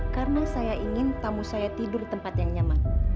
karena saya ingin tamu saya tidur di tempat yang nyaman